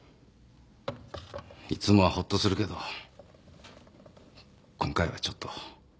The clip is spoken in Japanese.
いつもはホッとするけど今回はちょっと。